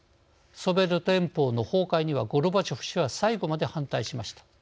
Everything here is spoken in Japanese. ソビエト連邦の崩壊にはゴルバチョフ氏は最後まで反対しました。